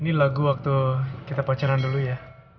ini lagu waktu kita pacaran dulu ya